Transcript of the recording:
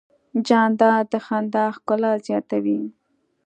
جانداد د خندا ښکلا زیاتوي.